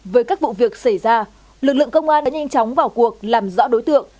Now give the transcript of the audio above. với các vụ việc xảy ra lực lượng công an đã nhanh chóng vào cuộc làm rõ đối tượng